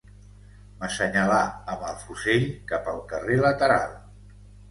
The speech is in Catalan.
M'assenyalà amb el fusell cap al carrer lateral